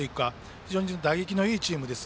非常に打撃のいいチームです。